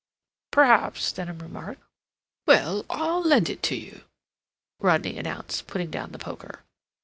"Perhaps," Denham remarked. "Well, I'll lend it you," Rodney announced, putting down the poker.